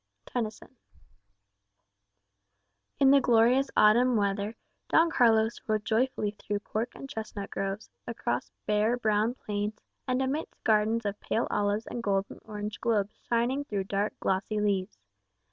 Tennyson In the glorious autumn weather, Don Carlos rode joyfully through cork and chestnut groves, across bare brown plains, and amidst gardens of pale olives and golden orange globes shining through dark glossy leaves.